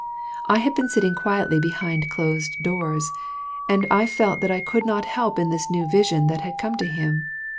I had been sitting quietly behind closed doors, and I felt that I could not help in this new vision that had come to him.